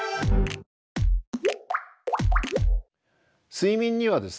睡眠にはですね